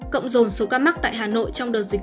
cộng dồn số ca mắc tại hà nội trong đợt dịch